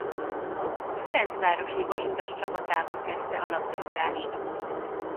A Ferencvárosi Vasutas csapatában kezdte a labdarúgást.